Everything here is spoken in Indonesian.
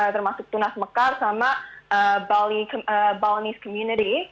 termasuk tunas mekar sama balis community